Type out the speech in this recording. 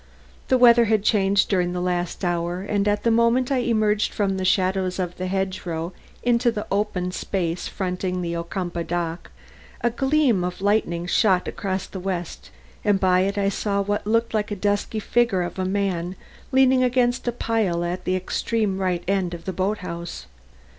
The weather had changed during the last hour and at the moment I emerged from the shadows of the hedge row into the open space fronting the Ocumpaugh dock, a gleam of lightning shot across the west and by it I saw what looked like the dusky figure of a man leaning against a pile at the extreme end of the boat house.